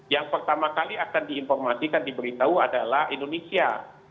yang pertama kali akan diinformasikan diberitahu adalah indonesia